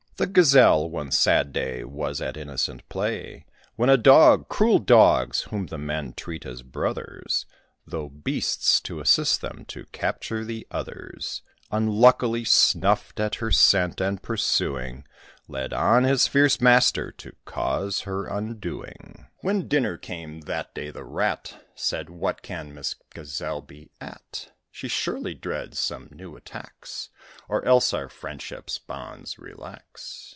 The Gazelle, one sad day, was at innocent play, When a dog cruel dogs! whom the men treat as brothers, Though beasts, to assist them to capture the others Unluckily snuffed at her scent, and, pursuing, Led on his fierce master, to cause her undoing. When dinner came that day, the Rat Said, "What can Miss Gazelle be at? She surely dreads some new attacks, Or else our friendship's bonds relax!"